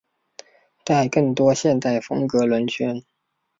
带更多现代风格轮圈。